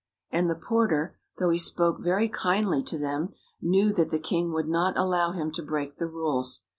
And the porter, though he spoke very kindly to them, knew that the king would not allow him to break the rules.